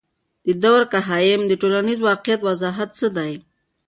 د دورکهايم د ټولنیز واقعیت وضاحت څه دی؟